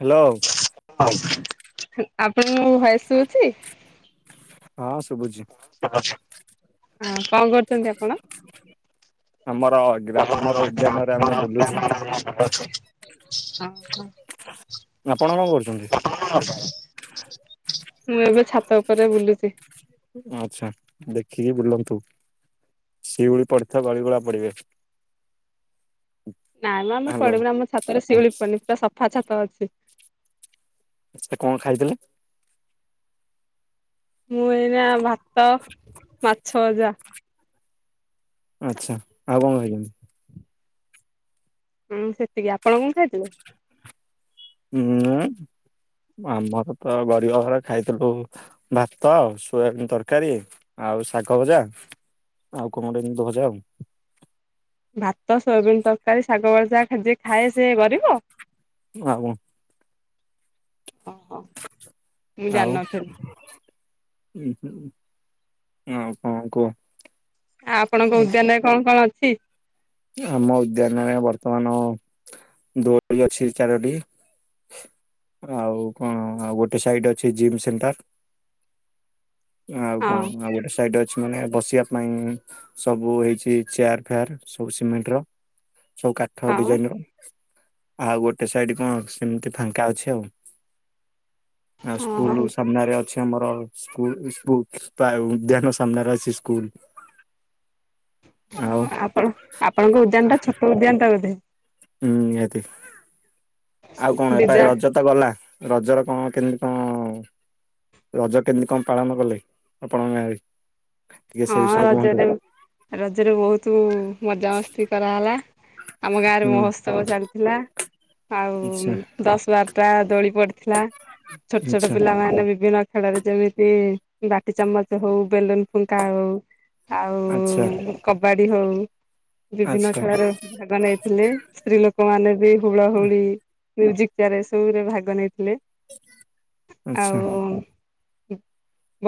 Hello. ହ ଆପଣଙ୍କ ଭୟସ ସୁବୁଛି? ହଁ ଶୁଭୁଛି। ସୁବୁଛି ଆଉ କଣ କରୁଛନ୍ତି ଆପଣ? ଆମର ଗ୍ରାମର ଉଦ୍ୟାନରେ ଆମେ ବୁଲୁଛୁ। [unintelligible] ତମେ କଣ କରୁଛ ଆପଣ କଣ କରୁଛନ୍ତି? ମୁଁ ଏବେ ଛାତ ଉପରେ ବୁଲୁଚି। ଆଚ୍ଛା ଦେଖିକି ବୁଲନ୍ତୁ ସିଉଳି ପଡିଥା ଗଳିଗୋଳା ପଡିବେ। ନାଇଁ ମ ଆମେ ହ୍ୟାଲୋ। ପଡିବୁନି ଆମ ଛାତରେ ଶିଉଳି ପଡନି ପୁରା ସଫା ଛାତ ଅଛି। ସେ କଣ ଖାଇଥିଲେ? ମୁଁ ଏଇନା ଭାତ ମାଛ ଭଜା। ଆଛା ଆଉ କଣ ଖାଇଛନ୍ତି? ହଁ ସେତିକି ଆପଣ କଣ ଖାଇଥିଲେ? ହୁଁ ଆମର ତ ଗରିବ ଘର ଖାଇଥିଲୁ ଭାତ ସୋୟାବିନ ତରକାରୀ ଆଉ ଶାଗ ଭଜା। ଆଉ [inaudible] ଭଜା ଆଉ। ଭାତ ସୋୟବିନ୍ ତରକାରୀ ଶାଗ ଭଜା ଖାଏ ସିଏ କରିବ ଆଉ କଣ ଓହୋ। ମୁଁ ଆଉ ଜାଣିନଥିଲି। ଉଁ ଆଉ କଣ କୁହ? ଆପଣଙ୍କ ଉଦ୍ୟାନରେ କଣ କଣ ଅଛି? ଆମ ଉଦ୍ୟାନରେ ବର୍ତ୍ତମାନ ଦୋଳି ଅଛି ଚାରୋଟି। ଆଉ କଣ ଆଉ ଗୋଟେ ସାଇଡ ଅଛି ଜିମ୍ ସେଣ୍ଟର। ଆଉ କଣ ହଁ ଆଉ ଗୋଟେ ସାଇଟି ଅ ମାନେ ବସିବା ପାଇଁ ସବୁ ହେଇଛି ଚେୟାର ଫେୟାର। ସବୁ ସିମେଣ୍ଟ ର ସବୁ କାଠ ହଁ ଡିଜାଇନର। ଆଉ ଗୋଟେ ସାଇଡ କଣ ସେମିତି ଫାଙ୍କା ଅଛି ଆଉ। ଆଉ ହଁ ସ୍କୁଲ ସାମ୍ନାରେ ଅଛି ଆମର ସ୍କୁ ଇଷ୍କୁ ପ୍ରାୟ ଉଦ୍ୟାନ ସାମ୍ନାରେ ଅଛି ସ୍କୁଲ। ଆଉ ହଁ ଆପଣ [inaudible] ଦିଅନ୍ତା ବୋଧେ। ହୁଁ ନିହାତି। ଆଉ କଣ ଏଟ ବିଦ୍ୟା ରଜ ତ ଗଲା ରଜର କଣ କେମିତି କଣ ରଜ କେମିତି କଣ ପାଳନ କଲେ ଆପଣଙ୍କ ଗାଁରେ? ଟିକେ ସେ ହଁ ବିଷୟରେ କୁହନ୍ତୁ ରଜରେ ରଜରେ ବହୁତ ମଜାମସ୍ତି କରାହେଲା। ଆମ ଗାଁ ରେ ହୁଁ ମହୋତ୍ସବ ଚାଲିଥିଲା। ଆଉ ଆଚ୍ଛା ଦଶ ବାରଟା ଦୋଳି ପଡିଥିଲା। ଛୋଟ ଛୋଟ ଆଚ୍ଛା ପିଲାମାନେ ବିଭିନ୍ନ ଖେଳରେ ଯେମିତି ବାଟି ଚାମଚ ହଉ ବେଲୁନ ଫୁଙ୍କା ହଉ ଆଉ ଆଚ୍ଛା। କବାଡି ହଉ ବିଭିନ୍ନ ଆଚ୍ଛା ଖେଳ ରେ ସେମାନେ ଥିଲେ ସ୍ତ୍ରୀ ଲୋକ ମାନେ ବି ହୁଳ ହୁଳି ପୁଞ୍ଜି ଚିଆରରେ ସବୁରେ ଭାଗ ନେଇଥିଲେ ଆଚ୍ଛା ଆଉ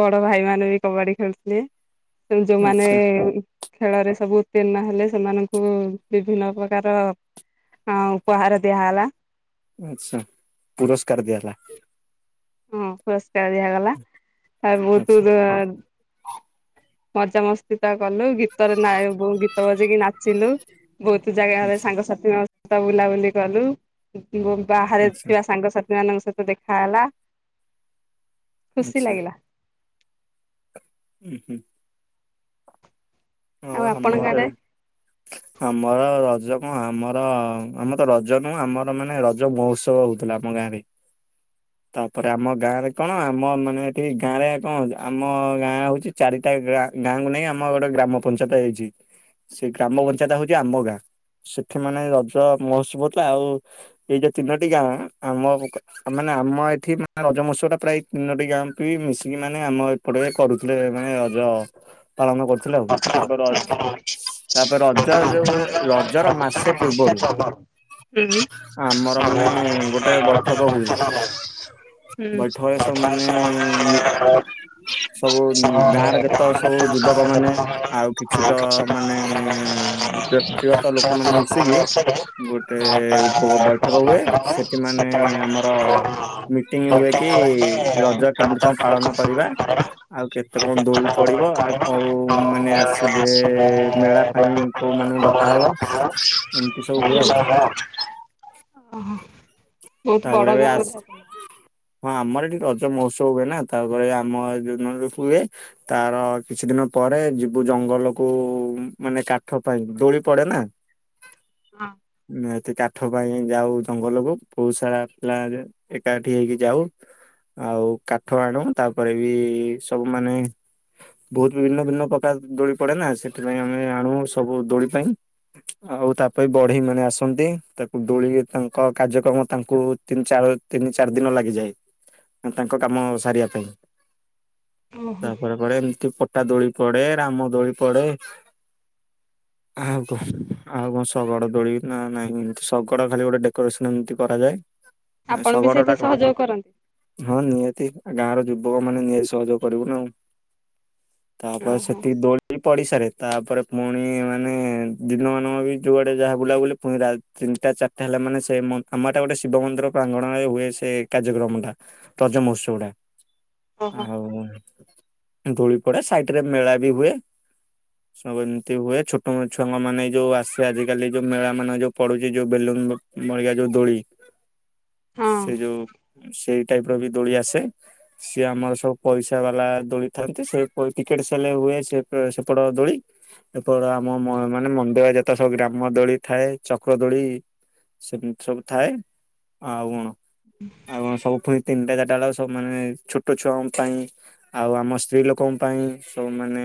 ବଡ ଭାଇ ମାନେ ବି କବାଡି ଖେଳୁଥିଲେ ଯୋଉମାନେ ଆଚ୍ଛା ଖେଳରେ ସବୁ ଉତ୍ତୀର୍ଣ ହେଲେ ସେମାନଙ୍କୁ ବିଭିନ୍ନ ପ୍ରକାର ଅଁ ଉପହାର ଦିଆ ହେଲା। ଆଛା ପୁରସ୍କାର ଦିଆ ହେଲା। ହଁ ପୁରସ୍କାର ଦିଆଗଲା ଆଉ ବହୁତ ଆଚ୍ଛା ଜ ମଜା ମସ୍ତି ତା କଲୁ ଗୀତରେ ନା ଉଁ ଗୀତ ବଜେଇକି ନାଚିଲୁ। ବହୁତ ଜାଗାରେ ଆଚ୍ଛା ସାଙ୍ଗସାଥିମାନେ ସବୁ ବୁଲାବୁଲି କଲୁ ବାହାରେ ଆଚ୍ଛା ଥିବା ସାଙ୍ଗସାଥି ମାନଙ୍କ ସହିତ ଦେଖା ହେଲା। ଖୁସି ଆଚ୍ଛା ଲାଗିଲା। ଉଁ ହୁଁ। ଆଉ ଆମର ବି। [inaudible] ଆମର ରଜ କଅଁ ଆମର ଆମର ରଜ ନୁହଁ ଆମର ମାନେ ରଜ ମହୋତ୍ସବ ହଉଥିଲା ଆମ ଗାଁରେ। [inaudible] ତାପରେ ଆମ ଗାଁ ରେ କଣ ଆମ ମାନେ ଏଠି ଗାଁ ରେ କଣ ଆମ ଗାଁ ହଉଚି ଚାରିଟା ଗାଁ ଗାଁ କୁ ନେଇ ଆମ ଗୋଟେ ଗ୍ରାମ ପଞ୍ଚାୟତ ହେଇଛି। ସେ ଗ୍ରାମ ପଞ୍ଚାୟତ ହଉଚି ଆମ ଗାଁ ସେଠି ମାନେ ରଜ ମହୋତ୍ସବ ଥିଲା ଆଉ ଏଇ ଯୋଉ ତିନୋଟି ଗାଁ ଆମ ମାନେ ଆମ ଏଠି ରଜ ମହୋତ୍ସବ ଟା ପ୍ରାୟ ତିନୋଟି ଗାଁ ପ ମିଶିକି ମାନେ ଆମ ପଟେ କରୁଥିଲେ ମାନେ ରଜ ପାଳନ। ଥିଲା ଆଉ ତାପରେ ର ତାପରେ ରଜ ଯଉ ରଜ ର ମାସେ ପୂର୍ବରୁ ହୁଁ। ଆମର ମାନେ ଗୋଟେ ବୈଠକ ହୁଏ। ବୈଠକରେ ସବୁ ମାନେ ହୁଁ। ହୁଁ। ସବୁ ଗାଁରେ ଯେତକ ସବୁ ଯୁବକ। ଲୋକ ମାନେ ଆଉ କିଛିତ ମାନେ ବ୍ୟକ୍ତିଗତ ପଞ୍ଚାୟତ ଲୋକମାନେ ମିଶିକି ବସିଲେ ଗୋଟେ ଗୋଟା ଉପ ବୈଠକ ହୁଏ ଦରକାର ସେଠି ମାନେ ସେତେବେଳେ ଆମର ମୀ ମିଟିଙ୍ଗ ହୁଏ ମିଟିଂ କି ହୋଇକି ରଜ କେମିତି କଣ ପାଞ୍ଚଟି ଲୋକ ପାଳନ କରିବା? ସମାନ ଆଉ କେତେ କଣ ଦୋଳି ପଡିବ? ଆଉ ହଁ କୋଉ ହଁ [unintelligible] ମାନେ ଆସିବେ ମେଳା ପାଇଁ କୋଉ ମାନଙ୍କୁ ଡକା ହବ। ଏମିତି ସବୁ ହୁଏ ଆଉ ଓହୋ। ବହୁତ ତାପରେ ବଡ ବି ଗାଁ ବୋଧେ ଆସଟି ଆପଣଙ୍କର? ହଁ ଆମର ଏଠି ରଜ ମହୋତ୍ସବ ହୁଏ ନା ତାପରେ ଆମ ଯୋଉ ଦିନ ହୁଏ। ତାର କିଛି ଦିନ ପରେ, ଯିବୁ ଜଙ୍ଗଲକୁ ମାନେ କାଠ ପାଇଁ ଦୋଳି ପଡେ ନା। ହଁ। ଏତେ କାଠ ପାଇଁ ଯାଉ ଜଙ୍ଗଲକୁ ବହୁତ ସାରା ପିଲା ଏକାଠି ହେଇକି ଯାଉ ଆଉ କାଠ ଆଣୁ ତାପରେ ବି ସବୁ ମାନେ ବହୁତ ଭିନ୍ନ ଭିନ୍ନ ପ୍ରକାର ଦୋଳି ପଡେ ନା ସେଥିପାଇଁ ଆମେ ଆଣୁ ସବୁ ଦୋଳି ପାଇଁ। ଆଉ ତାପ ବଢେଇ ମାନେ ଆସନ୍ତି ତାକୁ ଡୋଳିିକି ତାଙ୍କ କାର୍ଯ୍ୟକ୍ରମ ତାଙ୍କୁ ତିନି ଚାର ତିନି ଚାରି ଦିନ ଲାଗିଯାଏ ତାଙ୍କ କାମ ସାରିବା ପାଇଁ। ଓହୋ ତାପରେ ପରେ ଏମିତି ପଟା ଦୋଳି ପଡେ ରାମ ଦୋଳି ପଡେ। [unintelligible] ଆହାକୁ, ଆଉ କଣ ଶଗଡ଼ ଦୋଳି ନା ନାଇଁ ଏମତି ଶଗଡ ଖାଲି ଗୋଟେ ଡେକୋରେସନ ଏମତି କରାଯାଏ। ଆପଣ ବି ଶଗଡ଼ ସେଇଥିରେ ଟା କଣ ସହଯୋଗ କରନ୍ତି ହଁ ନିହାତି ଗାଁର ଯୁବକ ମାନେ ନିହାତି ସହଯୋଗ କରିବୁନା। ତାପରେ ଓହୋ ସେତିକି ଦୋଳି ପଡିଶାରେ ତାପରେ ପୁଣି ମାନେ ଦିନମାନଙ୍କ ବି ଯୁଆଡେ ଯାହା ବୁଲାବୁଲି ପୁଣି ତିନିଟା ଚାରିଟା ହେଲା ମାନେ ସେ ମନ୍ ଆମ ଏଇଟା ଗୋଟେ ଶିବ ମନ୍ଦିର ପ୍ରାଙ୍ଗଣରେ ହୁଏ ସେ କାର୍ଯ୍ୟକ୍ରମଟା ରଜ ମହୋତ୍ସବଟା। ଓହୋ ଆଉ ଦୋଳି ପଡେ ସାଇଟ ରେ ମେଳା ବି ହୁଏ। ହ [unintelligible] ସବୁ ଏମିତି ହୁଏ ଛୋଟ ମୁ ଛୁଆ ମାନେ ଯୋଉ ଆସେ ଆଜିକାଲି ଯୋଉ ମେଳା ମାନେ ଯୋଉ ପଡୁଛି ଯୋଉ ବେଲୁନ ଭଳିଆ ଯୋଉ ଦୋଳି ହଁ। ସେ ଯୋଉ ସେଇ ଟାଇପ ର ବି ଦୋଳି ଆସେ। ସିଏ ଆମର ସବୁ ପଇସା ବାଲା ଦୋଳି ଥାନ୍ତି ସେ ଟିକେଟ ସେଲେ ହୁଏ ସେ ସେପଟ ଦୋଳି। ଏପଟ ଆମ ମାନେ ମନ୍ଦିର ଯେତେ ସବୁ ଗ୍ରାମ ଦୋଳି ଥାଏ ଚକ୍ର ଦୋଳି। ସେମିତି ସବୁ ଥାଏ ଆଉ କଣ ହୁଁ [unintelligible] ଆଉ କଣ ସବୁ ପୁଣି ତିନିଟା ଚାରିଟା ବେଳକୁ ସବୁ ମାନେ ଛୋଟ ଛୁଆଙ୍କ ପାଇଁ ଆଉ ଆମ ସ୍ତ୍ରୀ ଲୋକଙ୍କ ପାଇଁ ସବୁ ମାନେ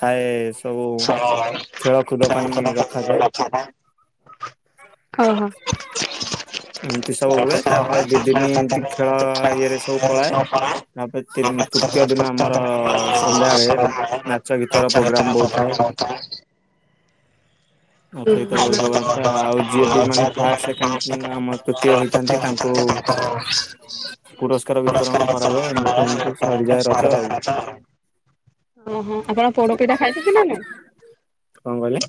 ଥାଏ ସବୁ ଖେଳକୁୁଦ ପାଇଁ ରଖାଯାଏ। ଓ ହୋ। ଆ ଏମିତି ସବୁ [unintelligible] [unintelligible] ହୁଏ ତାପରେ ଦି ଦିନି ଏମିତି ଖେଳ ଇଏରେ ସବୁ ପଳାଏ ତାପରେ ତିନି ତୃତୀୟ ଦିନ ଆମର ସନ୍ଧ୍ୟାବେଳେ ନାଚ ଗୀତର ପ୍ରୋଗ୍ରାମ ବହୁତ ଥାଏ [unintelligible] ନାଚ ଗୀତ ବହୁତ ପ୍ରୋଗ୍ରାମ ଥାଏ ଆଉ ଯିଏ ବି [unintelligible] ମାନେ ଫାଷ୍ଟ ସେକେଣ୍ଡ ଆମ ତୃତୀୟ [unintelligible] ହୋଇଥାନ୍ତି ତାଙ୍କୁ ପୁରସ୍କାର ପୁରସ୍କାର କରାଯାଏ ଏମିତି ଏମିତି ବିତରଣ ସରିଯାଏ ରଜ ଆଉ [unintelligible] ଓହୋ ଆପଣ ପୋଡପିଠା ଖାଇଛନ୍ତି ନା ନାଇଁ? କଣ କହିଲେ?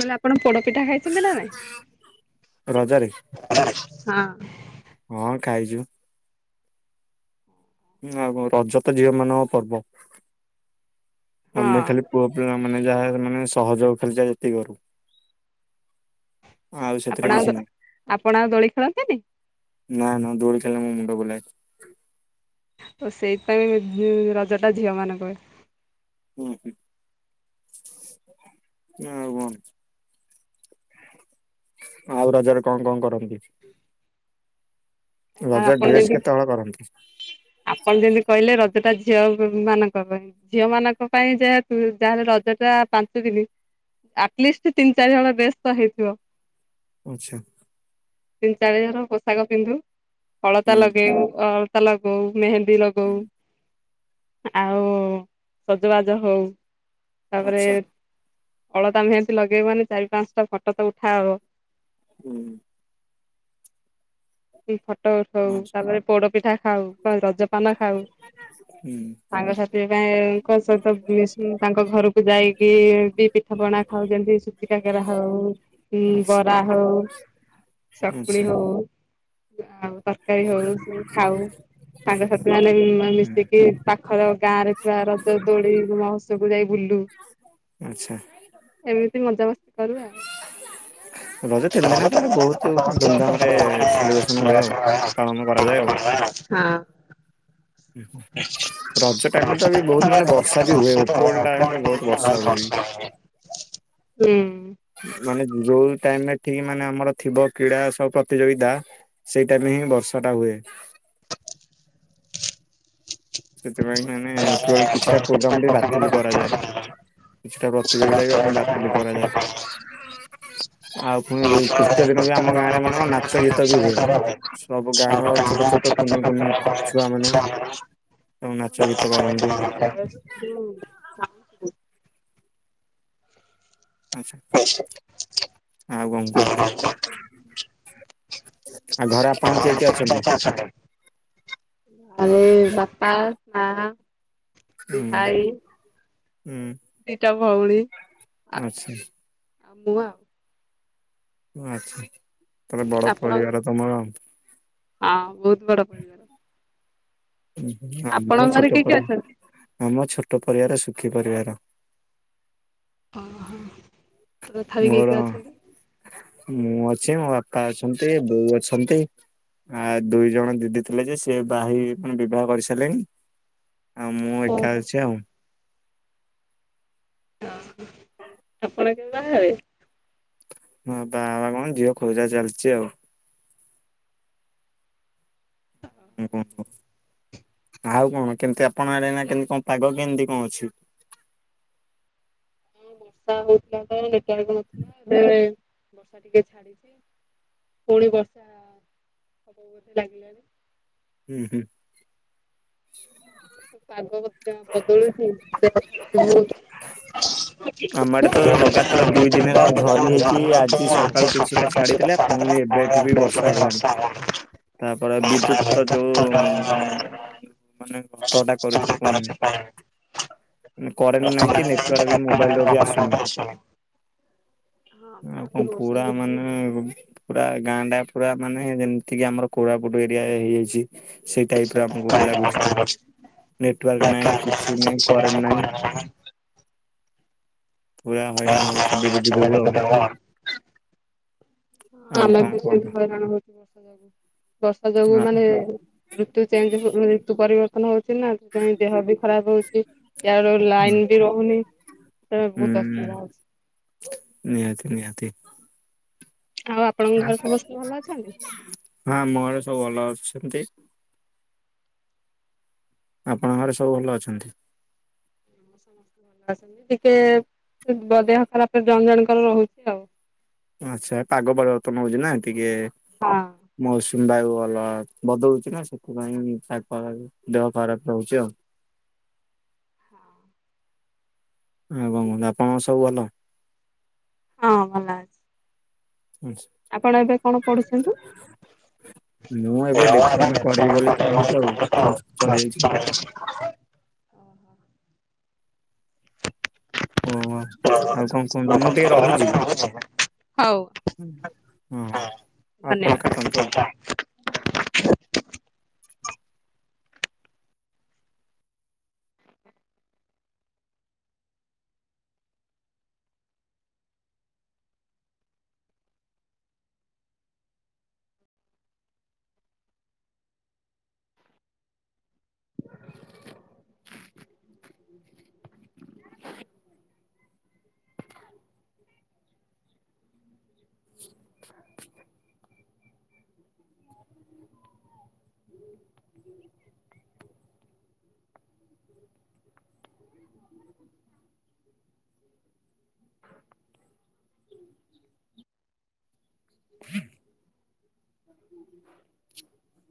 ବଲେ ଆପଣ ପୋଡପିଠା ଖାଇଛନ୍ତି ନା ନାଇ ରଜରେ ହଁ। ହଁ ଖାଇଛୁ। ଆଉ ରଜ ତ ଝିଅ ମାନଙ୍କ ପର୍ବ। ଆମେ ହଁ। ଖାଲି ପୁଅ ପିଲା ମାନେ ଯାହା ମାନେ ସହଯୋଗ ଖାଲି ଯେତିକି କରୁ। ଆଉ ସେଥିରେ ଆପଣ କିଛି ଆ ନାହିଁ। ଆପଣ ଆଉ ଦୋଳି ଖେଳନ୍ତିନି। ନା ନା ଦୋଳି ଖେଳିଲେ ମୋ ମୁଣ୍ଡ ବୁଲାଏ। ଓ ସେଇପାଇଁ ଉ ମ ରଜ ଟା ଝିଅ ମାନଙ୍କ ହୁଁ ହଁ ହଁ ଆଉ କଣ? ଆଉ ରଜରେ କଣ କଣ କରନ୍ତି? ଆଉ ରଜ ଆପଣ ଡ୍ରେସ ଯେମିତି କେତେ ହଳ କରନ୍ତି? ଆପଣ ଯେମିତି କହିଲେ ରଜ ଟା ଝିଅ ମ ମାନଙ୍କ ପାଇଁ। ଝିଅ ମାନଙ୍କ ପାଇଁ ଯେହେତୁ ଯାହେଲେ ରଜ ଟା ପାଞ୍ଚ ଦିନ। ଆଟଲିଷ୍ଟ ତିନି ଚାରି ହଳ ଡ୍ରେସ ତ ହେଇଥିବ। ଆଛା। ତିନି ଚାରି ହଳ ପୋଷାକ ପିନ୍ଧୁ ଅଳତା ହୁଁ ଲଗେଇଉ ଅଳତା ଲଗଉ ମେହେନ୍ଦୀ ଲଗଉ। ହୁଁ ଆଉ ସଜବାଜ ହଉ। ତାପରେ ଆଚ୍ଛା ଅଳତା ମେହେନ୍ଦି ଲଗେଇବୁ ମାନେ ଚାରି ପାଞ୍ଚଟା ଫଟୋ ତ ଉଠା ହବ। ହୁଁ। କି ଫଟୋ ଉଠଉ ଆଚ୍ଛା ତାପରେ ପୋଡ ପିଠା ଖାଉ କଣ ରଜପାନ ଖାଉ। ହୁଁ। ସାଙ୍ଗ ସାାଥି ପାଇଁଙ୍କ ସହିତ ମିଶି ତାଙ୍କ ଘରକୁ ଯାଇକି ବି ପିଠା ପଣା ଖାଉ ଯେମିତି ସୁଜି କାକେରା ହଉ କି ଆଚ୍ଛା ବରା ହଉ। ଚକୁଳି ଆଚ୍ଛା ହଉ। ଆଉ ତରକାରୀ ହଉ ସବୁ ଖାଉ। ସାଙ୍ଗ ସାଥି ମାନେ ବି ମାନେ ହୁଁ। ମିଶିକି ପାଖର ଗାଁ ରେ ଥିବା ରଜ ଦୋଳି ମହତ୍ସକୁ ଯାଇ ବୁଲୁ। ଆଚ୍ଛା ଏମିତି ମଜାମସ୍ତି କରୁ ଆଉ। ରଜ ତିନି ଦିନ ତାହେଲେ ବହୁତୁ ଧୁମଧାମରେ ସେଲିବ୍ରେସନ ହୁଏ ଆଉ। ପାଳନ କରାଯାଏ ଆଉ। ହଁ। ଉ ହୁଁ। ରଜ ଟାଇମ ରେ ତ ବି ବହୁତ ମାନେ ବର୍ଷା ବି ହୁଏ ଉପର ଓଳି ଟାଇମ ରେ ବହୁତ ବର୍ଷା ହୁଏ ବି। ହୁଁ। ମାନେ ଯୋଉ ଟାଇମରେ ଠିକ ମାନେ ଆମର ଥିବ କ୍ରୀଡ଼ା ସବୁ ପ୍ରତିଯୋଗିତା। ସେଇ ଟାଇମରେ ହିଁ ବର୍ଷା ଟା ହୁଏ। [inaudible] ସେଥିପାଇଁ ମାନେ ଉପର ଓଳି କିଛିଟା ଆପଣଙ୍କ ପ୍ରୋଗ୍ରାମ ବି ପାଖରେ ବାତିଲ କରାଯାଏ। କିଛିଟା ପ୍ରତିଯୋଗିତା ବି ଆମର ବାତିଲ କରାଯାଏ। ଆଉ ପୁଣି [unintelligible] ତୃତୀୟ ଦିନ ବି ଆମ ଗାଁରେ ମାନେ କଣ ନାଚ ଗୀତ ବି ହୁଏ। ସବୁ ଗାଁ ର ଛୋଟ ଛୋଟ କୁନି କୁନି ଛୁଆ ମାନେ। ଉଁ ନାଚ ଗୀତ କରନ୍ତି। ଯଉ। ଆଚ୍ଛା। ଆଉ କଣ କୁହ? ଆଉ ଘରେ ଆପଣ କିଏ କିଏ ଅଛନ୍ତି? ଅଛନ୍ତି। ଉଁ ଆଉ ବାପା, ମା, ଦି ହୁଁ ଭାଇ। ଦିଟା ଭଉଣୀ ହୁଁ ଆ ଆଚ୍ଛା ଆଉ ମୁଁ ଆଉ। ଉଁ ଆଚ୍ଛା ତାହେଲେ ବଡ ଆପଣ ପରିବାର ତମର। ହଁ ବହୁତ ବଡ ପରି ଉଁ ହୁଁ ଆମର ଆପଣଙ୍କ ଘରେ ଛୋଟ କିଏ କିଏ ପରି ଅଛନ୍ତି? ଆମ ଛୋଟ ପରିବାର ସୁଖୀ ପରିବାର। ଅ ହଁ। ତଥାପି କିଏ ମୋର କିଏ ଅଛନ୍ତି? ମୁଁ ଅଛି ମୋ ବାପା ଅଛନ୍ତି ବୋଉ ଅଛନ୍ତି। ଆ ଦୁଇ ଜଣ ଦିଦି ଥିଲେ ଯେ ସେ ବାହା ହେଇ ମାନେ ବିବାହ କରିସାରିଲେଣି। ଆଉ ମୁଁ ଏକା ଓହୋ ଅଛି ଆଉ। ଅ ହଁ ଆପଣ କେବେ ବାହା ହେବେ? ମୁଁ ବାହା ହବା କଣ ଝିଅ ଖୋଜା ଚାଲିଛି ଆଉ। ହୁଁ ଆଉ କଣ କେମିତି ଆପଣ ଆଡ଼େ ଏଇନା କେମିତି କଣ ପାଗ କେମିତି କଣ ଅଛି? ହଁ ବର୍ଷା ହଉଥିଲା ତ [unintelligible] ନଥିଲା ଏବେ। ବର୍ଷା ଟିକେ ଛାଡିଛି ପୁଣି ବର୍ଷା ହବ ବୋଧେ ଲାଗିଲାଣିି। ହୁଁ ହୁଁ। ପାଗ ବୋଧେ ବଦଳୁଛି [unintelligible] ଆମ ଆଡେ ତ ଲଗାତାର ଦୁଇ ଦିନ ହେଲା ଝରି ହେଇକି ଆଜି ସ ସକାଳୁ କିଛିଟା ଛାଡିଥିଲା ପୁଣି ଏବେଠୁ ବି ବର୍ଷା ହେଲାଣି। ତାପରେ ବିଦ୍ୟୁତ ତ ଯୋଉଁ ମାନେ ଘଟଘଟା କରୁଛି। କୁହନି [unintelligible] କରେଣ୍ଟ ନାହିଁ କି ନେଟୱାର ବି ମୋବାଇଲ ର ବି ଆସୁନି। ଆଉ କଣ ପୁରା ମାନେ ବୁମ। ପୁରା ଗାଁ ଟା ପୁରା ମାନେ ଯେମିତିକି ଆମର କୋରାପୁଟୁ ଏରିଆ ହେଇଯାଇଛି। ସେଇ ଟାଇପର ଆମକୁ ବି ଲାଗୁଛି। ବର୍ଷା ଋତୁରେ ନେଟୱାର୍କ ଆମେ ନାଇଁ କିଛି ନାଇଁ କରେଣ୍ଟ ନାଇଁ। ପୁରା ହଇରାଣ ହଉଛୁ [unintelligible] ଆଉ। ବି ହଁ ଆଉ ଆମେ କଣ ବି କୁହନ୍ତୁ ସେମ ହଇରାଣ ହଉଚୁ ବର୍ଷା ଯୋଗୁ ବର୍ଷା ଯୋଗୁ ଆ ମାନେ। ଋତୁ ଚେଞ୍ଜ ହୁ ମାନେ ଋତୁ ପରିବର୍ତ୍ତନ ହଉଛି ନା ସେଥିପାଇଁ ଦେହ ବି ଖରାପ ହଉଛି। ଇଆଡୁ ଲାଇନ ବି ରହୁନି ସେଥିପାଇଁ ହୁଁ ବହୁତ ଅସୁବିଧା ହଉଛି। ନିହାତି ନିହାତି। ଆଉ ଆପଣଙ୍କ ଘରେ ସମସ୍ତେ ଭଲ ଅଛନ୍ତି। ହଁ ମୋର ସବୁ ଭଲ ଅଛନ୍ତି। ଆପଣଙ୍କ ଘରେ ସବୁ ଭଲ ଅଛନ୍ତି। ସମସ୍ତେ ଟିକେ ଦେହ ଖରାପ ଜଣ ଜଣଙ୍କର ରହୁଛି ଆଉ। ଆଚ୍ଛା ପାଗ ପରିବର୍ତ୍ତନ ହଉଛି ନା ଟିକେ ହଁ। ମୌସୁମୀ ବାୟୁ ଭଲ ବଦଳଛି ନା ସେଥିପାଇଁ ତା ଦେହ ଖରାପ ରହୁଛି ଆଉ। ହୁଁ। ଆଉ କଣ କହୁ ଆପଣଙ୍କ ସବୁ ଭଲ। ହଁ ଭଲ। ଆଚ୍ଛା। ଆପଣ ଏବେ କଣ ପଢୁଛନ୍ତି? ମୁଁ ଏବେ ଡିପ୍ଲୋମା କରିବି ବୋଲି ଚାଲିଛି ଆଉ କୋର୍ସ ସରିଯାଇଛି [inaudible] ଓହୋ ଓହୋ। ଆଉ କଣ କୁହନ୍ତୁ ମୁଁ ହଉ ଟିକେ ରହୁଛି। ହଁ ଆପଣ କାଟନ୍ତୁ ଆଉ। ଧନ୍ୟବାଦ। ହ। [unintelligible] ହୁଁ। [inaudible]